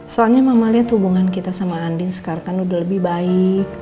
soalnya mama lihat hubungan kita sama andin sekarang kan udah lebih baik